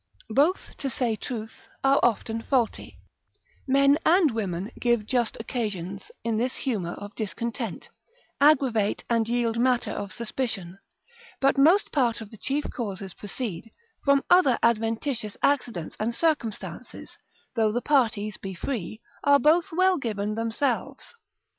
Both, to say truth, are often faulty; men and women give just occasions in this humour of discontent, aggravate and yield matter of suspicion: but most part of the chief causes proceed from other adventitious accidents and circumstances, though the parties be free, and both well given themselves.